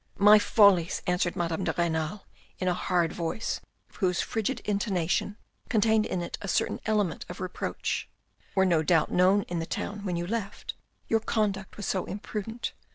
" My follies," answered Madame de Renal in a hard voice whose frigid intonation contained in it a certain element of reproach, " were no doubt known in the town when you left, your conduct was so imprudent.